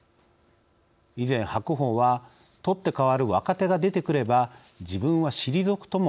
以前白鵬は「取って代わる若手が出てくれば自分は退くとも」